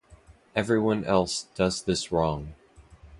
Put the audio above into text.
Everyone else does this wrong.